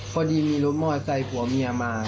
พอดีมีรถมอเตอร์ไซค์ผัวเมียมา